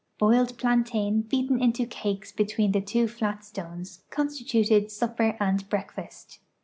Boiled plantain lieaten into cakes between two flat stones con stituted supper and breakfast.